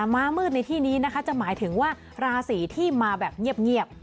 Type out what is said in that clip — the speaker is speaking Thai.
ม้ามืดในที่นี้นะคะจะหมายถึงว่าราศีที่มาแบบเงียบ